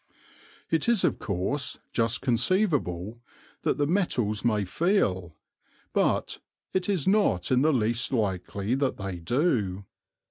It is of course just conceivable that the metals may feel, but it is not in the least likely that they do.